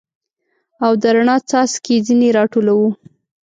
او د رڼا څاڅکي ځیني را ټولوو